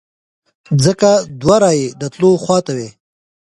ځکه دوه رایې د تلو خواته وې.